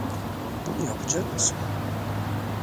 Bunu yapacak mısın?